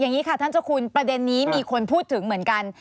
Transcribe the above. อย่างนี้ค่ะท่านเจ้าคุณประเด็นนี้มีคนพูดถึงเหมือนกัน